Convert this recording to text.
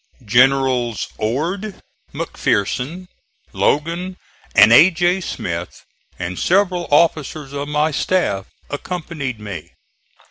Generals Ord, McPherson, Logan and A. J. Smith, and several officers of my staff, accompanied me.